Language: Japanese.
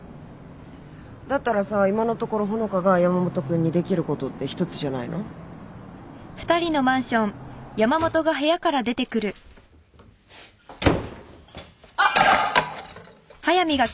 だったらさ今のところ穂香が山本君にできることって１つじゃないの？・・あっ。